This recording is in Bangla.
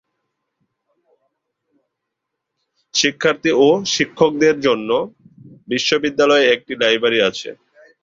শিক্ষার্থী ও শিক্ষকদের জন্য বিশ্ববিদ্যালয়ে একটা লাইব্রেরি আছে।